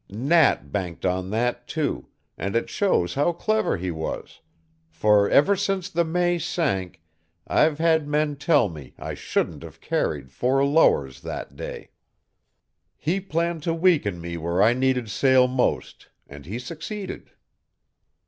Nat banked on that, too, and it shows how clever he was, forever since the May sank I've had men tell me I shouldn't have carried four lowers that day. "He planned to weaken me where I needed sail most and he succeeded.